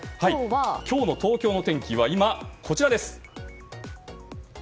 今日の東京の天気は今こちらです。